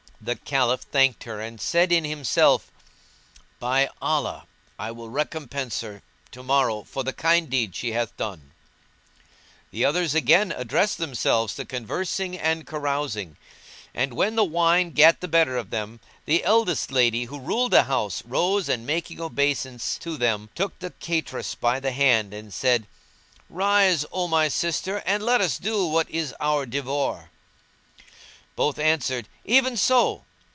The Caliph thanked her and said in himself,"By Allah, I will recompense her tomorrow for the kind deed she hath done." The others again addressed themselves to conversing and carousing; and, when the wine gat the better of them, the eldest lady who ruled the house rose and making obeisance to them took the cateress by the hand, and said, "Rise, O my sister and let us do what is our devoir." Both answered "Even so!"